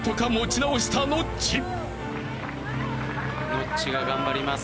ノッチが頑張ります。